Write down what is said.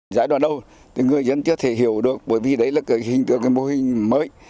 giải đoàn đầu người dân sẽ hiểu được bởi vì đấy là hình tượng mô hình mới